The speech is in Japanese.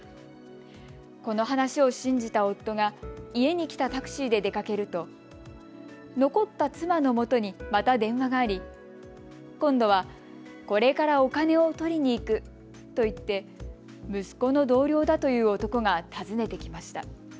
この話を信じた夫が家に来たタクシーで出かけると残った妻のもとにまた電話があり今度はこれからお金を取りに行くと言って、息子の同僚だという男が訪ねてきました。